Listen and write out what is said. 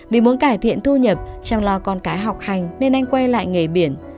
vì muốn cải thiện thu nhập chăm lo con cái học hành nên anh quay lại nghề biển